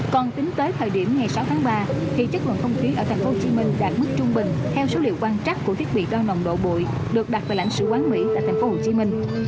còn tính tới thời điểm ngày sáu tháng ba thì chất lượng không khí ở tp hcm đạt mức trung bình theo số liệu quan trắc của thiết bị đo nồng độ bụi được đặt tại lãnh sử quán mỹ tại tp hcm